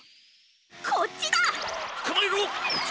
こっちだ！